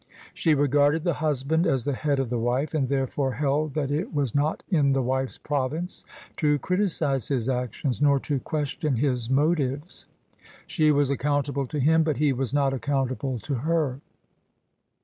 She regarded the husband as the head of the wife ; and therefore held that it was not in the wife's province to criticise his actions nor to question his motives. She was accountable to him; but he was not accountable to her.